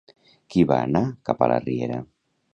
Qui va anar cap a la riera?